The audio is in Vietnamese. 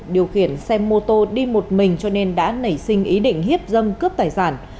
điều khiển xe mô tô đi một mình cho nên đã nảy sinh ý định hiếp dâm cướp tài sản